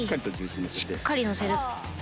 しっかりのせる。